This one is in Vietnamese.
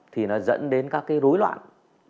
thì nó dẫn đến các cái rối loạn